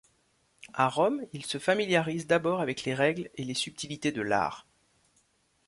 À Rome, il se familiarise d'abord avec les règles et les subtilités de l'art.